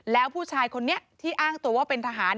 แล้วผู้ชายคนนี้ที่อ้างตัวว่าเป็นทหาร